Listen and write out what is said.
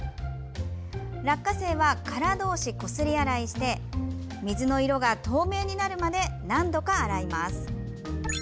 落花生は殻同士、こすり洗いして水の色が透明になるまで何度か洗います。